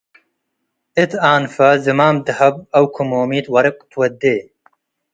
እት ኣንፈ ዝማም ደሀብ አው ክሞሚት ወርቅ ትወዴ ።